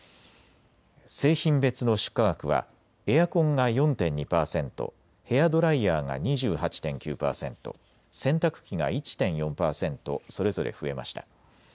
製品別の出荷額はエアコンが４．２％、ヘアドライヤーが２８．９％、洗濯機が１．４％それぞれ増えました。